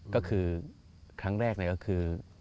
ก็คือครั้งแรกก็คือ